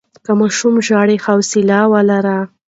که ماشوم ژاړي، حوصله ولرئ.